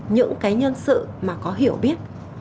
những cái nhân sự mà có hiểu biết